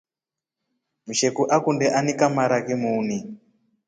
Msheku akundi anika maraki muuni.